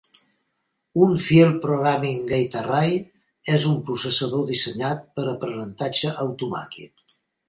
Un Field Programming Gate Array és un processador dissenyat per aprenentatge automàtic.